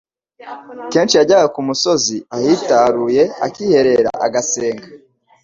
Kenshi yajyaga ku musozi ahitaruye akiherera agasenga,